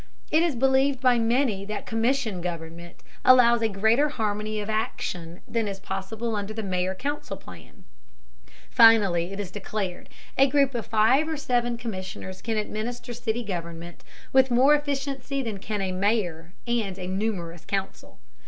It is believed by many that commission government allows a greater harmony of action than is possible under the mayor council plan. Finally, it is declared, a group of five or seven commissioners can administer city government with more efficiency than can a mayor and a numerous council.